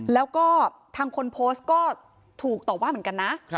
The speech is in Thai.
แล้วก็ทางคนโพสต์ก็ถูกต่อว่าเหมือนกันนะ